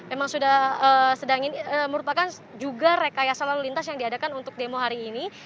emang sudah merupakan juga rekayasa lalu lintas yang diadakan untuk demo hari ini